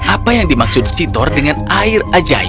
apa yang dimaksud si thor dengan air